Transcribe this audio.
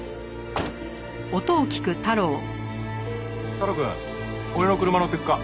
太郎くん俺の車乗ってくか？